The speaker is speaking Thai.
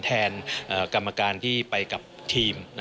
แทนกรรมการที่ไปกับทีม